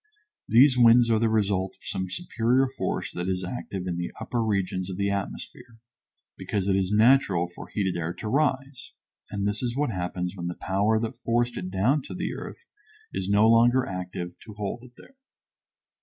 These winds are the result of some superior force that is active in the upper regions of the atmosphere, because it is natural for heated air to rise, and this is what happens when the power that forced it down to the earth is no longer active to hold it there.